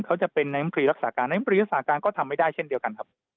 เขาจะเป็นนายมตรีรักษาการนายมตรีรักษาการก็ทำไม่ได้เช่นเดียวกันครับ